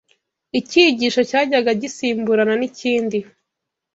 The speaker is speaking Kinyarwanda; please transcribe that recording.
Icyigisho cyajyaga gisimburana n’ikindi